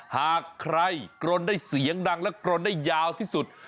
หากใครกรนได้เสียงดังและกรนได้ยาวที่สุด